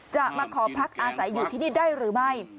จะมาขอพักอาศัยอยู่ที่นี่ได้หรือไม่